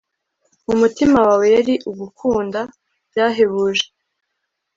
mu mutima wawe yari ugukunda byahebuje